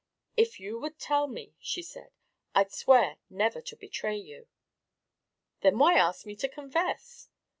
"If you would tell me," she said, "I'd swear never to betray you." "Then why ask me to confess?"